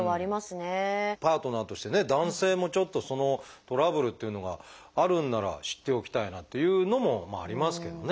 パートナーとしてね男性もちょっとそのトラブルっていうのがあるんなら知っておきたいなっていうのもありますけどね。